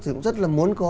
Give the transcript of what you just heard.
thì cũng rất là muốn có